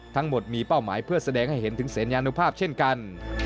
ทั้งหมดมีเป้าหมายเพื่อแสดงให้เห็นถึงสัญญานุภาพเช่นกัน